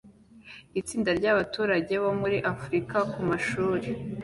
Itsinda ryabaturage bo muri Afrika kumashuri